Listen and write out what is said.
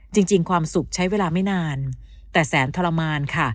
จริงความสุขใช้เวลาไม่นานแต่แสนทรมานค่ะ